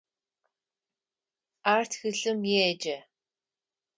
Ар тхылъым еджэ.